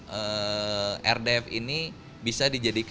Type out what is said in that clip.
yang dikirimkan oleh tpst